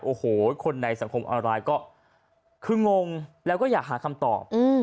โอ้โหคนในสังคมออนไลน์ก็คืองงแล้วก็อยากหาคำตอบ